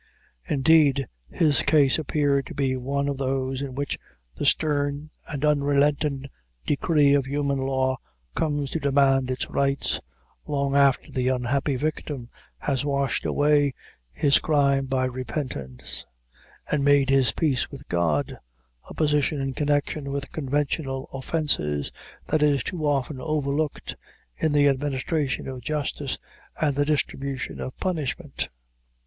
Indeed, his case appeared to be one of those in which the stern and unrelenting decree of human law comes to demand its rights, long after the unhappy victim has washed away his crime by repentance, and made his peace with God, a position in connection with conventional offences that is too often overlooked in the administration of justice and the distribution of punishment.